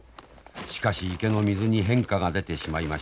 しかし池の水に変化が出てしまいました。